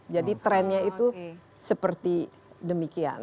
jadi trennya itu seperti demikian